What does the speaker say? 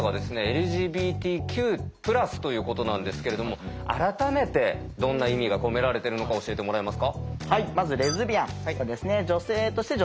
「ＬＧＢＴＱ＋」ということなんですけれども改めてどんな意味が込められてるのか教えてもらえますか？